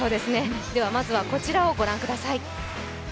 ではまずはこちらをご覧ください。